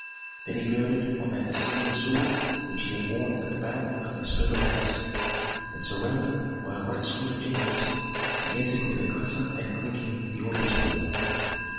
Then he girded on that Assyrian sword which he had worn at the battle of the Soda Lakes, and, surrounded by a great suite of generals, he entered with a clatter and clinking the audience hall.